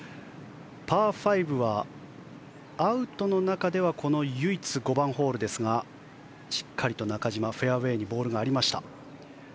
パー５は、アウトの中では唯一、５番ホールですがしっかりと中島、フェアウェーにボールがありました。